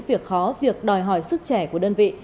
việc khó việc đòi hỏi sức trẻ của đơn vị